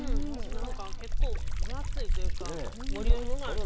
結構分厚いというか、ボリュームがあって。